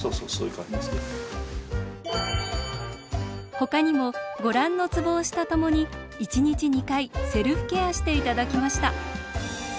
ほかにもご覧のツボを押すとともに１日２回セルフケアして頂きました。